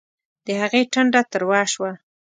د هغې ټنډه تروه شوه